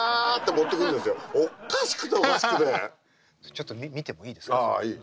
ちょっと見てもいいですか？